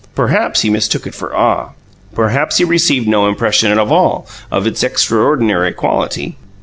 Perhaps he mistook it for awe; perhaps he received no impression at all of its extraordinary quality.